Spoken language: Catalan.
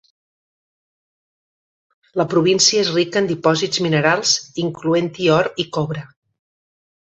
La província és rica en dipòsits minerals, incloent-hi or i cobre.